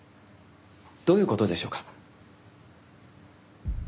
どういう事でしょうか？